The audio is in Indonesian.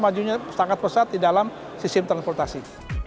majunya sangat pesat di dalam sistem transportasi